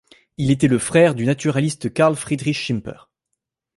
Il était le frère du naturaliste Karl Friedrich Schimper.